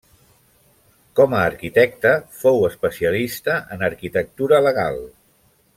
Com a arquitecte fou especialista en arquitectura legal.